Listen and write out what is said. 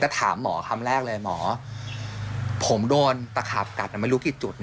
ถามหมอคำแรกเลยหมอผมโดนตะขาบกัดไม่รู้กี่จุด